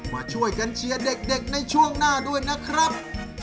มาช่วยกันเชียร์เด็กในช่วงหน้าด้วยนะครับ